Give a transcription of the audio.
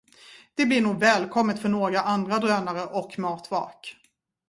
Det blir nog välkommet för några andra drönare och matvrak.